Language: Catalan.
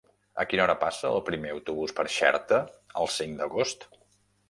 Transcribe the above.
A quina hora passa el primer autobús per Xerta el cinc d'agost?